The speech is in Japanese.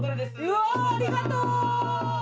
うわありがとう！